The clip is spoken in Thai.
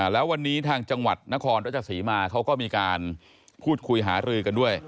แล้ววันนี้ทางจังหวัดนครราชสีมาเขาก็มีการพูดคุยหารือกันด้วย